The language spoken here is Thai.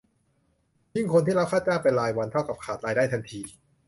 ยิ่งคนที่รับค่าจ้างเป็นรายวัน เท่ากับขาดรายได้ทันที